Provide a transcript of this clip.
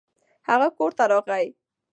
هغه کور ته راغی.